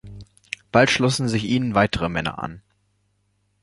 Bald schlossen sich ihnen weitere Männer an.